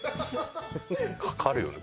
かかるよね。